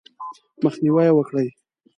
مخنیوی یې وکړئ :